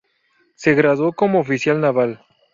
Se graduó como oficial naval.